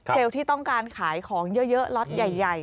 ที่ต้องการขายของเยอะล็อตใหญ่